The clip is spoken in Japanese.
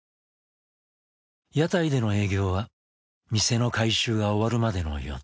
屋台での営業は店の改修が終わるまでの予定。